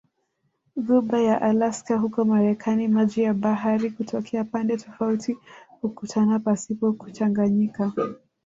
Ghuba ya Alaska huko Marekani maji ya bahari kutoka pande tofauti hukutana pasipo kuchanganyika